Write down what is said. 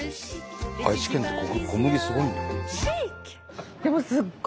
愛知県って小麦すごいんだ。